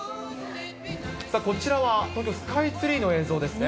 こちらは、東京スカイツリーの映像ですね。